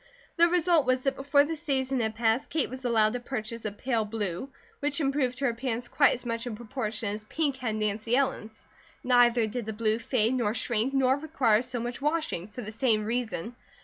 The result was that before the season had passed Kate was allowed to purchase a pale blue, which improved her appearance quite as much in proportion as pink had Nancy Ellen's; neither did the blue fade nor shrink nor require so much washing, for the same reason.